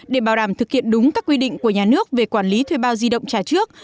để bảo đảm thực hiện đúng các quy định của nhà nước về quản lý thuê bao di động trả trước